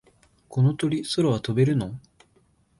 この鳥、空は飛べるの？